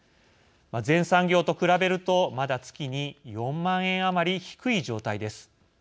全産業と比べるとまだ月に４万円余り低い状態です。